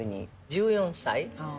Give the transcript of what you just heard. １４歳？